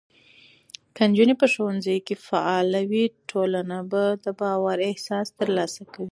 که نجونې په ښوونځي کې فعاله وي، ټولنه د باور احساس ترلاسه کوي.